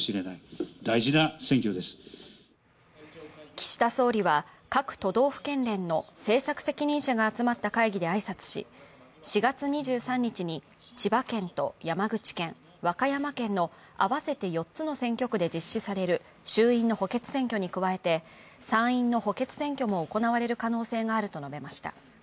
岸田総理は各都道府県連の政策責任者が集まった会議で挨拶し４月２３日に千葉県と山口県和歌山県の合わせて４つの選挙区で実施される衆院の補欠選挙に加えて参院の補欠選挙も行われる可能性があると述べました。